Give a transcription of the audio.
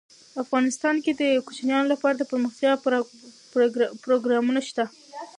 افغانستان کې د کوچیانو لپاره دپرمختیا پروګرامونه شته.